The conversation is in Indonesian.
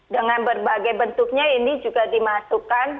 dengan berbagai bentuknya ini juga dimasukkan